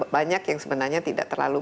banyak yang sebenarnya tidak terlalu